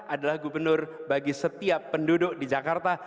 adalah gubernur bagi setiap penduduk di jakarta